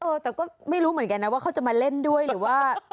เออแต่ก็ไม่รู้เหมือนกันนะว่าเขาจะมาเล่นด้วยหรือว่า